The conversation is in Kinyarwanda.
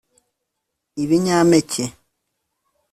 Ibinyampeke